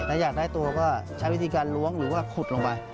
ถ้าอยากได้ตัวก็ใช้วิธีการล้วงหรือว่าขุดลงไป